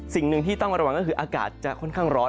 สิ่งหนึ่งที่ต้องระวังก็คืออากาศจะค่อนข้างร้อน